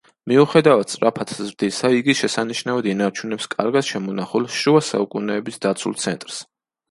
მიუხედავად სწრაფად ზრდისა, იგი შესანიშნავად ინარჩუნებს კარგად შემონახულ, შუა საუკუნეების დაცულ ცენტრს.